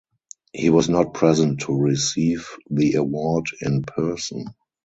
He was not present to receive the award in person.